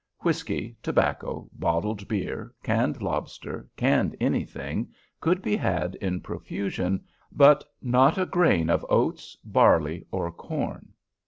Whiskey, tobacco, bottled beer, canned lobster, canned anything, could be had in profusion, but not a grain of oats, barley, or corn.